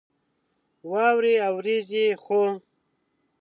واورې اوريږي ،خو